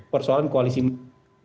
persoalan koalisi ini